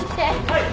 はい。